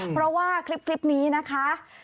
เพราะว่าคลิปนี้นะคะ